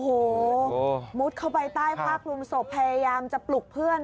โอ้โหมุดเข้าไปใต้ผ้าคลุมศพพยายามจะปลุกเพื่อน